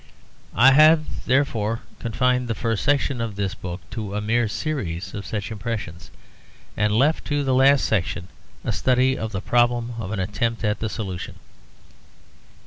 I have therefore confined the first section of this book to a mere series of such impressions, and left to the last section a study of the problem and an attempt at the solution.